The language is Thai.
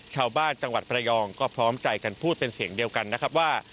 จังหวัดประยองก็พร้อมใจกันพูดเป็นเสียงเดียวกันนะครับว่า